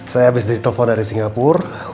saya habis ditelepon dari singapura